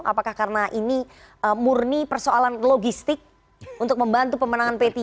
apakah karena ini murni persoalan logistik untuk membantu pemenangan p tiga